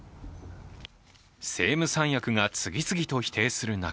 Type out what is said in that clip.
政務三役が次々と否定する中